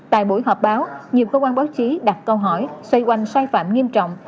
tại buổi họp báo nhiều cơ quan báo chí đặt câu hỏi xoay quanh sai phạm nghiêm trọng